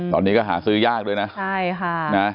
ตอนนี้ก็หาซื้อยากด้วยนะใช่ค่ะนะ